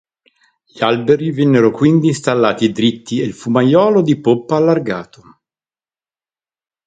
Gli alberi vennero quindi installati dritti e il fumaiolo di poppa allargato.